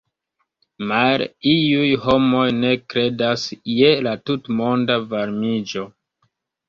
Male, iuj homoj ne kredas je la tutmonda varmiĝo.